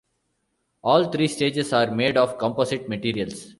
All three stages are made of composite materials.